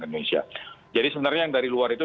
indonesia jadi sebenarnya yang dari luar itu